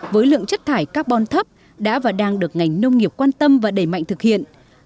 với lượng chất thải carbon thấp đã và đang được ngành nông nghiệp quan tâm và đẩy mạnh thực hiện